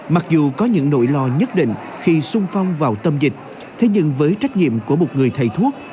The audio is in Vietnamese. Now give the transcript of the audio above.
mặc dù có những nỗi lo nhất định khi sung phong vào tâm dịch thế nhưng với trách nhiệm của một người thầy thuốc